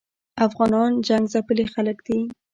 افغانان جنګ ځپلي خلګ دي